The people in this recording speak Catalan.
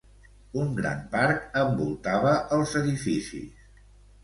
Un gran parc envoltava els edificis.